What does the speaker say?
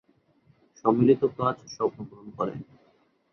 সম্মিলিত কাজ স্বপ্ন পূরণ করে!